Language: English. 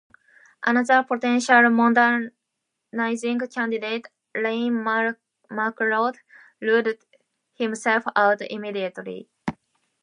Another potential "modernizing" candidate, Iain Macleod, ruled himself out immediately.